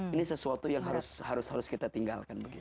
ini sesuatu yang harus kita tinggalkan